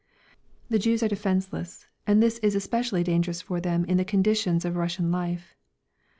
The Jews are defenceless, and this is especially dangerous for them in the conditions of Russian life.